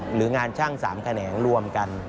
หรืองานช่าง๓แขนงรวมกัน